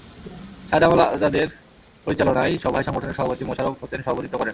শাহ জামাল আজাদের পরিচালনায় সভায় সংগঠনের সভাপতি মোশারফ হোসেন সভাপতিত্ব করেন।